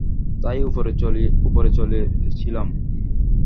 তাই উপরে চলেছিলেম।